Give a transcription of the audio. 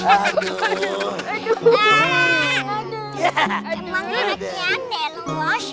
emangnya lah kian eh lo bos